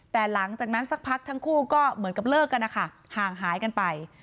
แต่หลังจากนั้นสักพักทั้งคู่ก็เหมือนกับเลิกกันนะคะห่างหายกันไป